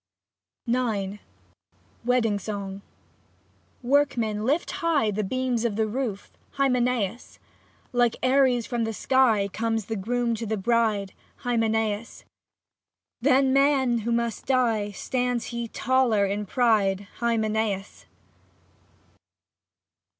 i? lit WEDDING SONG Workmen lift high The beams of the roof, Hymenaeus ! Like Ares from sky Comes the groom to the bride, Hymenaeus ! Than men who must die Stands he taller in pride, Hymenaeus